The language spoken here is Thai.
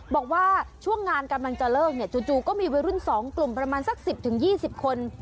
บอกว่าช่วงงานกำลังจะเลิกเนี่ยจู่ก็มีวัยรุ่น๒กลุ่มประมาณสัก๑๐๒๐คน